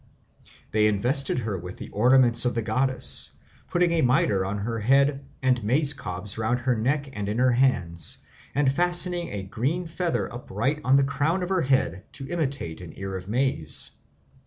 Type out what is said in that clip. They invested her with the ornaments of the goddess, putting a mitre on her head and maize cobs round her neck and in her hands, and fastening a green feather upright on the crown of her head to imitate an ear of maize.